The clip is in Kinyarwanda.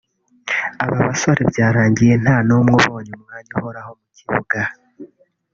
Aba bose byarangiye nta n’umwe ubonye umwanya uhoraho mu kibuga